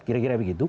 kira kira begitu